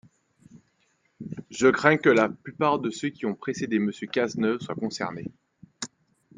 Je crains que la plupart de ceux qui ont précédé Monsieur Cazeneuve soient concernés.